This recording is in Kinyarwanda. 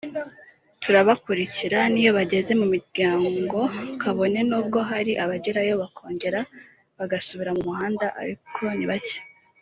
turabakurikira n’iyo bageze mu miryango kabone n’ubwo hari abagerayo bakongera bagasubira mu muhanda ariko ni bacye”